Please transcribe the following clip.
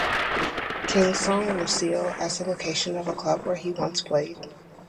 King song "Lucille" as the location of a club where he once played.